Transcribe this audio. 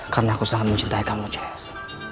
karena aku sangat mencintai kamu jess